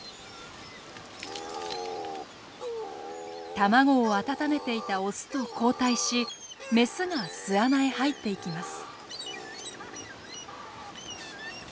卵を温めていた雄と交代し雌が巣穴へ入っていきます。